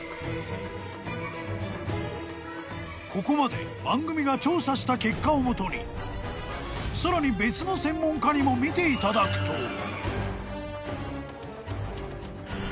［ここまで番組が調査した結果を基にさらに別の専門家にも見ていただくと］